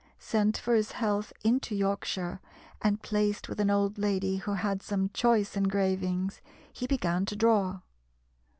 Sent for his health into Yorkshire, and placed with an old lady who had some choice engravings, he began to draw.